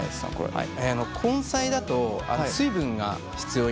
はい。